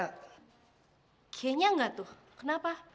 kayaknya engga tuh kenapa